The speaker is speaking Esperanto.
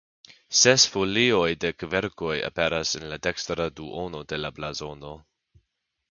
Ses folioj de kverkoj aperas en la dekstra duono de la blazono.